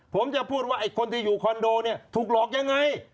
ผมจะพูดว่าไอ้คนที่อยู่คอนโดเนี่ยถูกหลอกยังไง